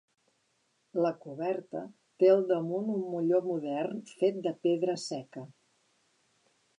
La coberta té al damunt un molló modern fet de pedra seca.